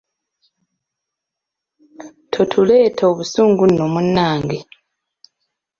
Totuleeta obusungu nno munnange!